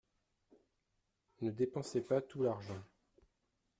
Ne dépensez pas tout l’argent.